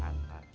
gak gak gak gak